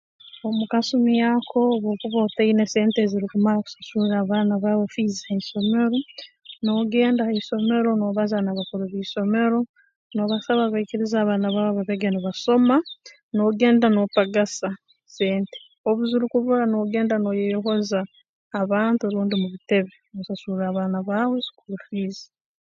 Omu kasumi ako obu okuba otaine sente ezirukumara kusasurra abaana baawe fiizi ha isomero noogenda ha isomero noobaza na bakuru b'isomero noobasaba baikirize abaana baawe babege nibasoma noogenda noopagasa sente obu zirukubura noogenda nooyeyohoza abantu rundi mu bitebe noosasurra abaana baawe skuulu fiizi